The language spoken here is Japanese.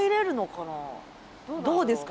どうですか？